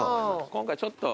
今回ちょっと。